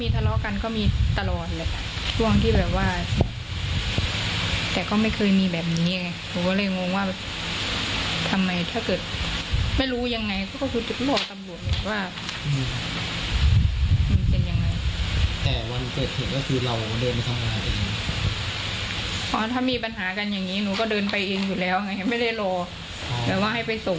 ถ้ามีปัญหากันอย่างนี้หนูก็เดินไปเองอยู่แล้วไงไม่ได้รอแต่ว่าให้ไปส่ง